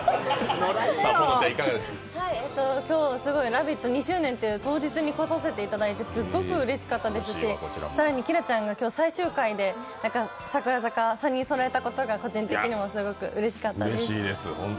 「ラヴィット！」２周年という当日に来させていただいてすっごくうれしかったですし、更にきらちゃんが今日最終回で櫻坂、３人そろえたことが個人的にうれしかったです。